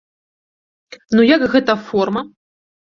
Ну як гэта форма?